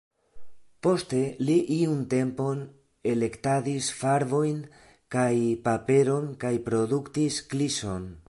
Poste li iun tempon elektadis farbojn kaj paperon kaj produktis kliŝon.